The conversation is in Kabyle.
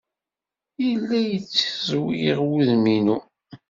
Yella yettizwiɣ wudem-inu.